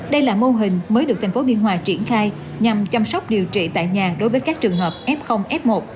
đây là mô hình mới được tp biên hòa triển khai nhằm chăm sóc điều trị tại nhà đối với các trường hợp f f một